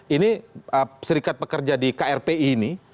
ini serikat pekerja di krpi ini